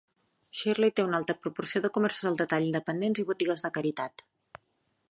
Shirley té una alta proporció de comerços al detall independents i botigues de caritat.